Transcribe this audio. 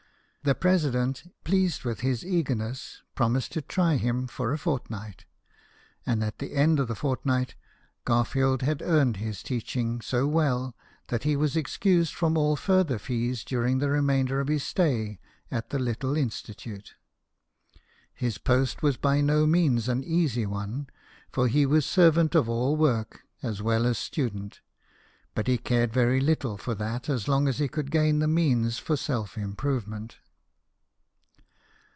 The president, pleased with his eagerness, promised to try him for a fortnight ; and at the end of the fortnight, Garfield had earned his teaching so well that he was ex cused from all further fees during the remainder of his stay at the little institute. His post was by no mean an easy one, for he was servant of all work as well as student ; but he cared very little for that as long as he could gain the means for self improvement.